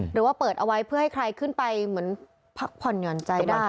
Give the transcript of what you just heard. หรือว่าเปิดเอาไว้เพื่อให้ใครขึ้นไปเหมือนพักผ่อนหย่อนใจได้